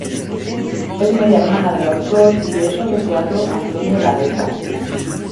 Es media hermana del autor y director de teatro Antonio Larreta.